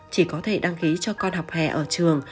chỉ có thể đăng ký cho con học hè ở trường